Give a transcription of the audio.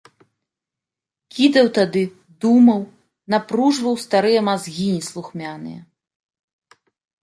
Кідаў тады, думаў, напружваў старыя мазгі неслухмяныя.